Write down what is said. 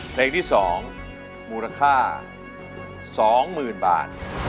เพลงที่๒มูลค่า๒๐๐๐บาท